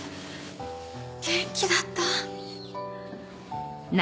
元気だった？